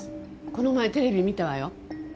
この前テレビ見たわよ。